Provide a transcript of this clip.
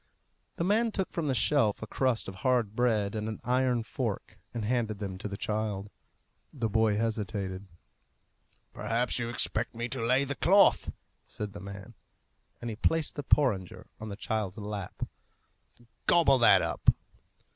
The man took from the shelf a crust of hard bread and an iron fork, and handed them to the child. The boy hesitated. "Perhaps you expect me to lay the cloth," said the man, and he placed the porringer on the child's lap. "Gobble that up."